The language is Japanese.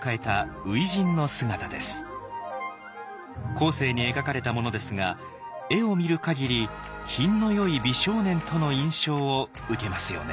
後世に描かれたものですが絵を見る限り品のよい美少年との印象を受けますよね。